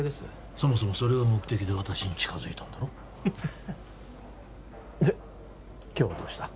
そもそもそれが目的で私に近づいたんだろで今日はどうした？